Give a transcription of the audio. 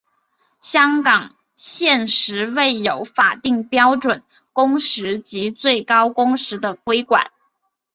香港现时未有法定标准工时及最高工时规管。